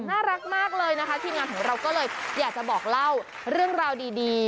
น่ารักมากเลยนะคะทีมงานของเราก็เลยอยากจะบอกเล่าเรื่องราวดี